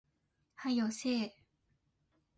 早よせえ